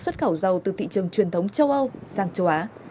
nga đã tăng xuất khẩu dầu từ thị trường truyền thống châu âu sang châu á